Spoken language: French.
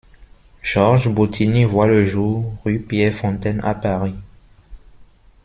Georges Bottini voit le jour rue Pierre-Fontaine à Paris.